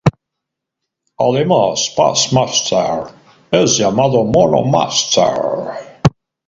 Además Past Masters es llamado Mono Masters.